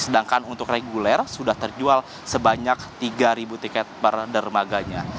sedangkan untuk reguler sudah terjual sebanyak tiga tiket per dermaganya